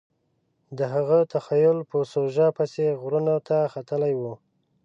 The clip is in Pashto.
د هغه تخیل په سوژو پسې غرونو ته ختلی و